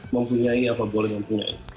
mempunyai apa boleh mempunyai